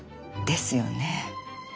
ですよね。